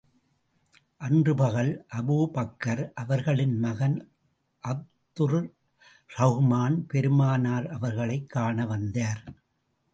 அன்று பகல், அபூபக்கர் அவர்களின் மகன் அப்துர் ரஹ்மான் பெருமானார் அவர்களைக் காண வந்தார்.